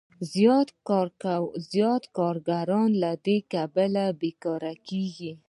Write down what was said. زیات کارګران له دې کبله بېکاره کېږي